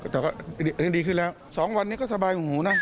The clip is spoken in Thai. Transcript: แต่ก็ดีขึ้นแล้ว๒วันนี้ก็สบายของหูนะ